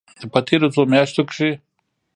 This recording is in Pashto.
په تېرو څو میاشتو کې